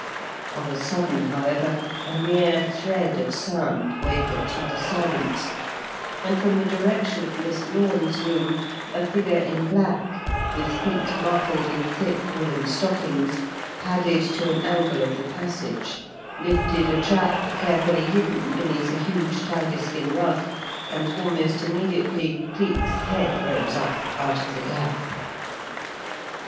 Of a sudden, however, a mere thread of sound wavered through the silence, and from the direction of Miss Lorne's room a figure in black, with feet muffled in thick, woollen stockings, padded to an angle of the passage, lifted a trap carefully hidden beneath a huge tiger skin rug, and almost immediately Cleek's head rose up out of the gap.